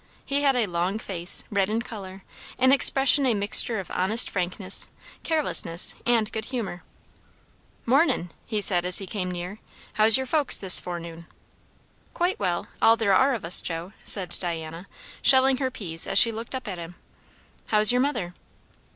He had a long face, red in colour; in expression a mixture of honest frankness, carelessness, and good humour. "Mornin'!" said he as he came near. "How's your folks, this forenoon?" "Quite well all there are of us, Joe," said Diana, shelling her peas as she looked up at him. "How's your mother?"